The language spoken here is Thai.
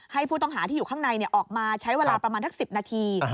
ผู้ต้องหาที่อยู่ข้างในออกมาใช้เวลาประมาณทัก๑๐นาที